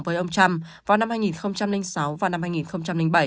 với ông trump vào năm hai nghìn sáu và năm hai nghìn bảy